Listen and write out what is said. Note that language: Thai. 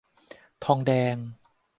ทองแดง